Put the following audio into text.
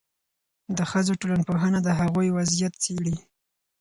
د ښځو ټولنپوهنه د هغوی وضعیت څېړي.